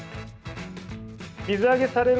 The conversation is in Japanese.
水揚げされる